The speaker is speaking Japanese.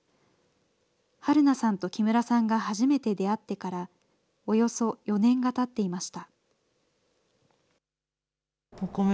はるなさんと木村さんが初めて出会ってからおよそ４年がたっていました。